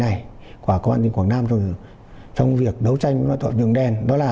bản thân của công an tỉnh quảng nam trong việc đấu tranh đoàn thuận dùng đen đó là